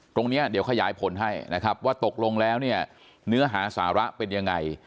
ตรงนี้เดี๋ยวขยายผลให้นะครับว่าตกลงแล้วเนี่ยเนื้อหาสาระเป็นยังไง